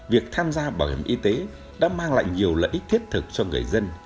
việc tham gia bảo hiểm y tế đã mang lại nhiều lợi ích thiết thực cho người dân